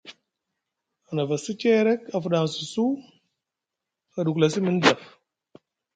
A navasi ceerek a fuɗaŋsi su, a ɗuklasi mini daf.